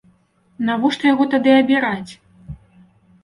Навошта яго тады абіраць?